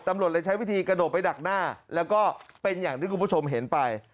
ตำรวจเลยใช้วิธีกระโดดไปดักหน้าแล้วก็เป็นอย่างที่คุณผู้ชมเห็นไป